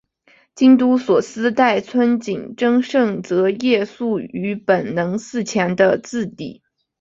京都所司代村井贞胜则夜宿于本能寺前的自邸。